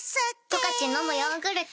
「十勝のむヨーグルト」